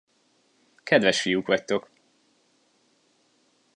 Kedves fiúk vagytok!